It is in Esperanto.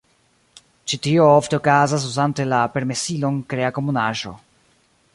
Ĉi tio ofte okazas uzante la permesilon Krea Komunaĵo.